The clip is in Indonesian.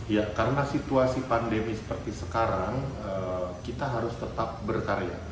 ya karena situasi pandemi seperti sekarang kita harus tetap berkarya